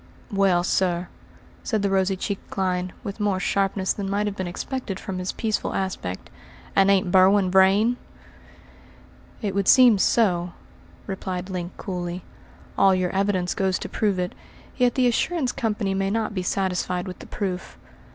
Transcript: "Well, sir," said the rosy cheeked Clyne, with more sharpness than might have been expected from his peaceful aspect, "and ain't Berwin Vrain?" "It would seem so," replied Link coolly. "All your evidence goes to prove it, yet the assurance company may not be satisfied with the proof.